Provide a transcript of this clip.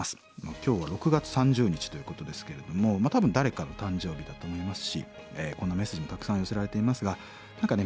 今日は６月３０日ということですけれども多分誰かの誕生日だと思いますしこんなメッセージもたくさん寄せられていますが何かね